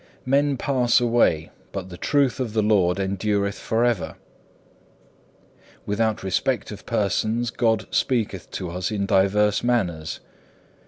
2. Men pass away, but the truth of the Lord endureth for ever. Without respect of persons God speaketh to us in divers manners.